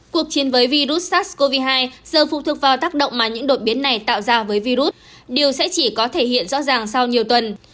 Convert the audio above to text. cuộc chiến với virus sars cov hai giờ phụ thuộc vào tác động mà những đột biến này tạo ra với virus điều sẽ chỉ có thể hiện rõ ràng sau nhiều tuần